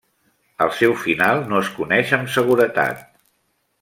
El seu final no es coneix amb seguretat.